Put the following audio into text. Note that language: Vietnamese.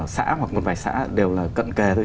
xã hoặc một vài xã đều là cận kề thôi